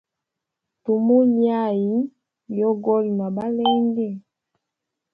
Tumulya ayi yogolwa na balenge?